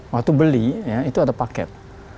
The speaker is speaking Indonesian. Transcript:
waktu beli ya itu ada paket